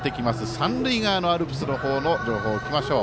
三塁側のアルプスの情報を聞きましょう。